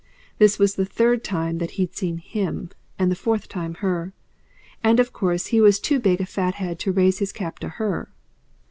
This was the third time that he'd seen HIM, and the fourth time her. And of course he was too big a fat head to raise his cap to HER!